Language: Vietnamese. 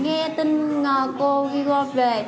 nghe tin cô ghi gò về